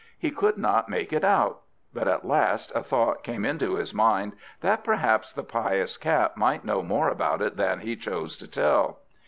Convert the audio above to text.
He could not make it out; but at last a thought came into his mind, that perhaps the pious Cat might know more about it than he chose to tell.